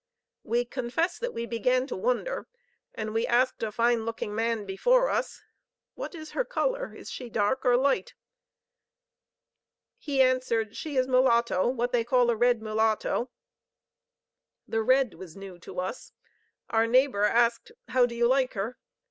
We confess that we began to wonder, and we asked a fine looking man before us, "What is her color? Is she dark or light?" He answered, "She is mulatto; what they call a red mulatto." The 'red' was new to us. Our neighbor asked, "How do you like her?"